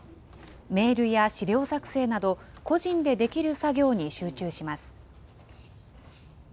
メールや資料作成など、個人でできる作業に集中します。